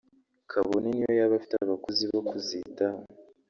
kabone niyo yaba afite abakozi bo kuzitaho